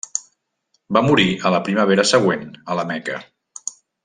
Va morir a la primavera següent a la Meca.